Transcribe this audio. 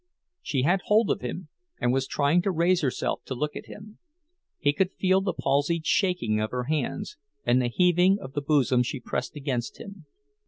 She had hold of him, and was trying to raise herself to look at him; he could feel the palsied shaking of her hands and the heaving of the bosom she pressed against him.